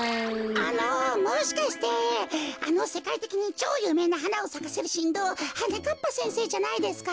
あのもしかしてあのせかいてきにちょうゆうめいなはなをさかせるしんどうはなかっぱせんせいじゃないですか？